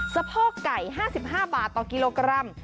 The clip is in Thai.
สะโพกไก่๕๕บาทต่อกิโลกรัม